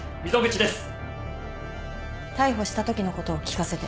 逮捕したときのことを聞かせて。